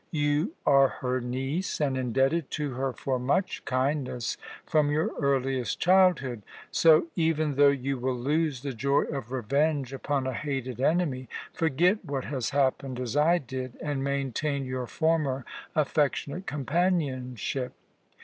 You are her niece, and indebted to her for much kindness from your earliest childhood. So, even though you will lose the joy of revenge upon a hated enemy, forget what has happened, as I did, and maintain your former affectionate companionship.